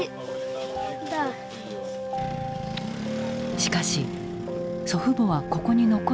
しかし祖父母はここに残る決断をした。